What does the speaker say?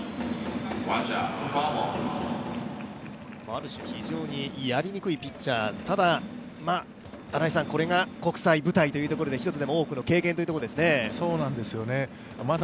ある種、非常にやりにくいピッチャー、ただ、これが国際舞台ということで一つでも多くの経験というところなんですよね。